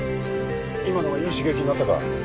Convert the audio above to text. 今のがいい刺激になったか。